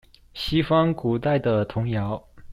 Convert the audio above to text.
西方古代的童謠